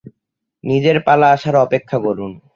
নিজের পালা আসার অপেক্ষা করুন।